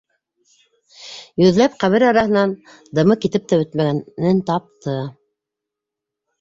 Йөҙләп ҡәбер араһынан дымы китеп тә бөтмәгәнен тапты.